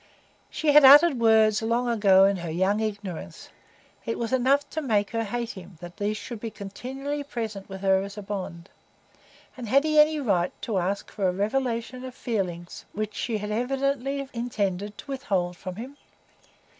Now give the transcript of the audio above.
She had uttered words long ago in her young ignorance; it was enough to make her hate him that these should be continually present with her as a bond. And had he any right to ask her for a revelation of feelings which she had evidently intended to withhold from him?